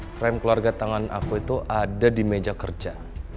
frame keluarga tangan aku itu ada di meja kerja